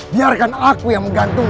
biar aku ini yang akan menghentukimu